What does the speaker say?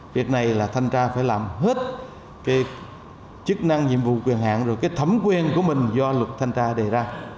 việc này là thanh tra phải làm hết chức năng nhiệm vụ quyền hạn rồi thấm quyền của mình do luật thanh tra đề ra